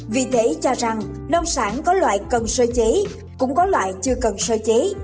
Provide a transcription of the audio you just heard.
vì thế cho rằng nông sản có loại cần sơ chế cũng có loại chưa cần sơ chế